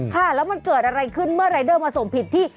ค่ะแล้วมันเกิดอะไรขึ้นเมื่อรายเดอร์มาส่งผิดที่